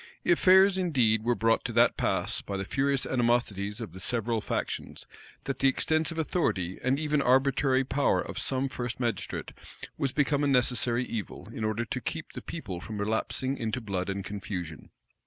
Affairs indeed were brought to that pass, by the furious animosities of the several factions, that the extensive authority and even arbitrary power of some first magistrate was become a necessary evil, in order to keep the people from relapsing into blood and confusion.